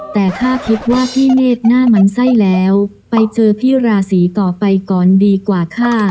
แต่ถ้าคิดว่าพี่เนธหน้ามันไส้แล้วไปเจอพี่ราศีต่อไปก่อนดีกว่าค่ะ